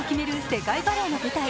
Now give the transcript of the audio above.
世界バレーの舞台。